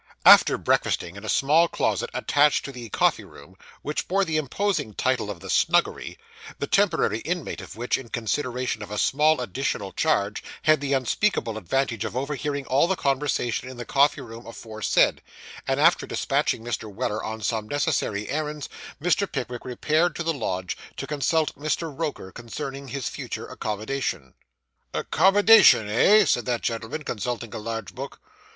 After breakfasting in a small closet attached to the coffee room, which bore the imposing title of the Snuggery, the temporary inmate of which, in consideration of a small additional charge, had the unspeakable advantage of overhearing all the conversation in the coffee room aforesaid; and, after despatching Mr. Weller on some necessary errands, Mr. Pickwick repaired to the lodge, to consult Mr. Roker concerning his future accommodation. 'Accommodation, eh?' said that gentleman, consulting a large book.